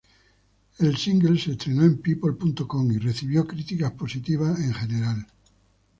El single se estrenó en People.com y recibió críticas positivas en general.